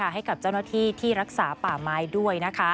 ให้กับเจ้าหน้าที่ที่รักษาป่าไม้ด้วย